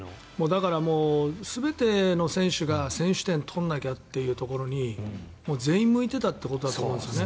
だから、全ての選手が先取点を取らなきゃっていうところに全員向いていたということだと思うんですよね。